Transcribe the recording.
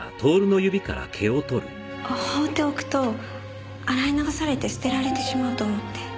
放っておくと洗い流されて捨てられてしまうと思って。